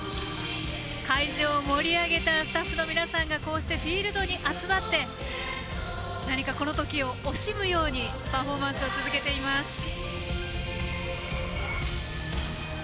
会場を盛り上げたスタッフの皆さんがフィールドに集まってこのときを惜しむようにパフォーマンスを続けています。